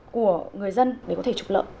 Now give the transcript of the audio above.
của người dân để có thể trục lợi